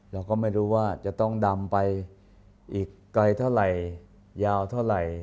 เราก็ไม่รู้ว่าจะต้องดำไปอีกไกลเท่าไหร่ยาวเท่าไหร่